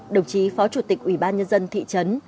đồng chí phó chủ tịch ubnd thị trấn